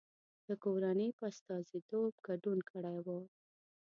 د کورنۍ په استازیتوب ګډون کړی و.